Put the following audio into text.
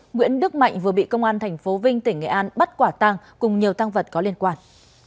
nguyễn đức mạnh vừa bị công an tp vinh tỉnh nghệ an bắt quả tăng cùng nhiều tăng vật có liên quan